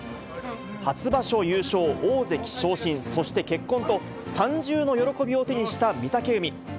初場所優勝、大関昇進、そして結婚と、三重の喜びを手にした御嶽海。